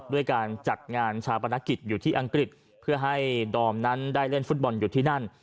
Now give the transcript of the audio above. ด้วยการจัดงานชาปนกิจอยู่ที่อังกฤษเพื่อให้ดอมนั้นได้เล่นฟุตบอลอยู่ที่นั่น